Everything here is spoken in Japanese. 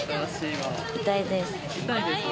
痛いですか？